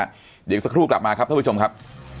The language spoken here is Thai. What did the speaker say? เดี๋ยวอีกสักครู่กลับมาครับท่านผู้ชมครับ